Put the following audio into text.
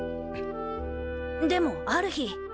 でもある日。